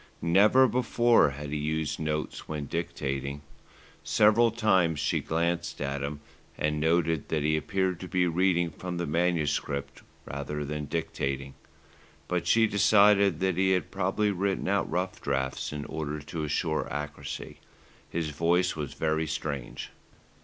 Never before had he used notes when dictating. Several times she glanced at him, and noted that he appeared to be reading from the manuscript rather than dictating; but she decided that he had probably written out rough drafts in order to assure accuracy. His voice was very strange.